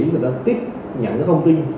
người ta tích nhận cái thông tin